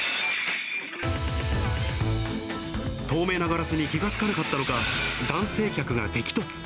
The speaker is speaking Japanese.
透明なガラスに気が付かなかったのか、男性客が激突。